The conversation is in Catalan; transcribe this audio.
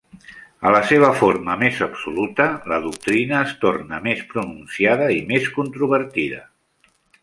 A la seva forma més absoluta, la doctrina es torna més pronunciada i més controvertida.